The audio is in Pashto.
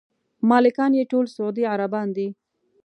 مالکان یې ټول سعودي عربان دي.